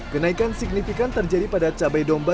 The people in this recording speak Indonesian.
kenaikan signifikan terjadi pada cabai domba